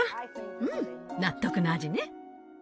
うん納得の味ね。